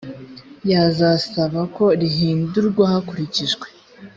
yazasaba ko rihindurwa hakurikijwe